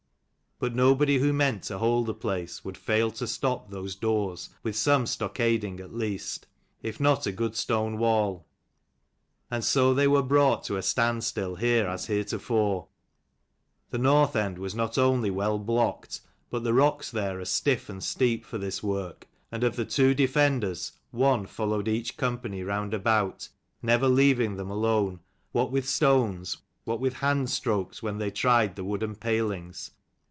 But nobody who meant to hold the place would fail to stop those doors with some stockading at least, if not a good stone wall : and so they were brought to a standstill here as heretofore. The north end was not only well blocked, but the rocks there are stiff and steep for this work; and of the two defenders one followed each company round about, never leaving them alone, what with stones, what with hand strokes when they tried the wooden palings.